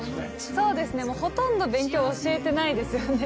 そうですね、もうほとんど、勉強は教えてないですよね。